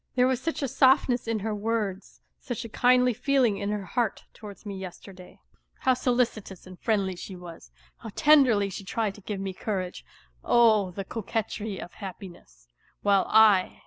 There was such a softness in her words, such a kindly feeling in her heart towards me yesterday. ... How solicitous and. friendly she was; how tenderly she tried to give me couragej __ Oh, the coquetry ~of kappine'ssT While I